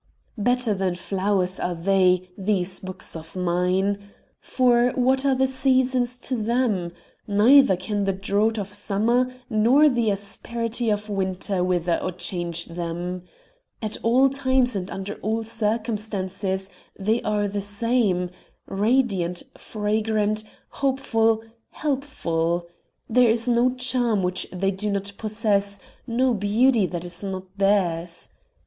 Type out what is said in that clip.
Better than flowers are they, these books of mine! For what are the seasons to them? Neither can the drought of summer nor the asperity of winter wither or change them. At all times and under all circumstances they are the same radiant, fragrant, hopeful, helpful! There is no charm which they do not possess, no beauty that is not theirs.